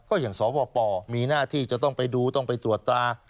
ก็อย่างสวปมีหน้าที่จะต้องไปดูต้องไปตรวจตรา